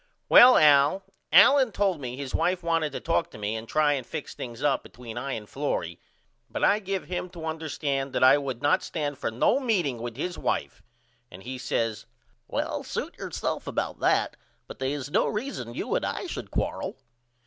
Well Al, Allen told me his wife wanted to talk to me and try and fix things up between I and Florrie but I give him to understand that I would not stand for no meeting with his wife and he says Well suit yourself about that but they is no reason you and I should quarrel.